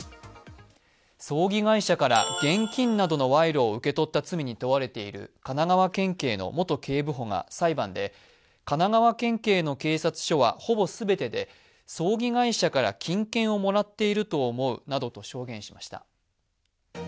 葬儀会社から現金などの賄賂を受け取った罪に問われている神奈川県警の元警部補が裁判で神奈川県警の警察署はほぼ全てで葬儀会社から金券をもらっていると思うなどと証言しました。